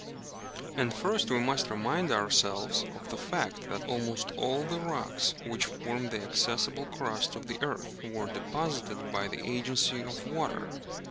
And first we must remind ourselves of the fact that almost all the rocks which form the accessible crust of the earth were deposited by the agency of water.